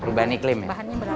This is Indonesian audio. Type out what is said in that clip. perubahan iklim bahannya berapa